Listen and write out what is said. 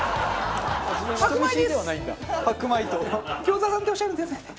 餃子さんっておっしゃるんですね。